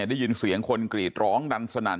ได้ยินเสียงคนกรีดร้องดันสนั่น